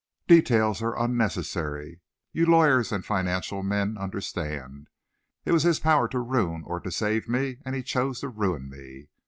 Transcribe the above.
Details are unnecessary. You lawyers and financial men understand. It was in his power to ruin or to save me and he chose to ruin me.